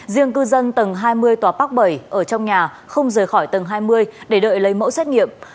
riêng cư dân tầng hai mươi tòa park bảy ở trong nhà không rời khỏi tầng hai mươi để đợi lấy mẫu xét nghiệm